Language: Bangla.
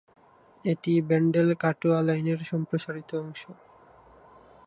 এটি ব্যান্ডেল-কাটোয়া লাইনের সম্প্রসারিত অংশ।